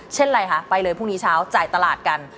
อะไรคะไปเลยพรุ่งนี้เช้าจ่ายตลาดกัน